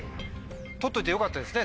取っておいてよかったですね